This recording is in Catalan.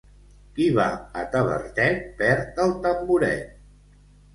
Qui va a Tavertet perd el tamboret.